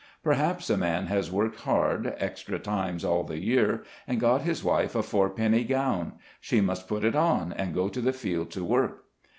Perhaps a man has worked hard, extra times all the year, and got his wife a fourpenny gown — she must put it on, and go to the field to work.